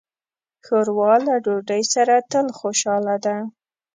ښوروا له ډوډۍ سره تل خوشاله ده.